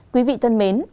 quý vị thân mến